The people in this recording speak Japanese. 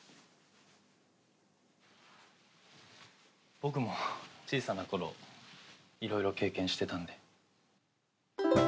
僕も小さな頃いろいろ経験してたんで。